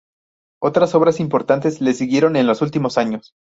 Otras obras importantes le siguieron en los últimos años.